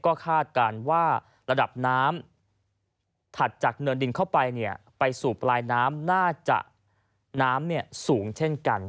ก็คาดการณ์ว่าระดับน้ำถัดจากเนินดินเข้าไปเนี่ยไปสู่ปลายน้ำน่าจะน้ำสูงเช่นกัน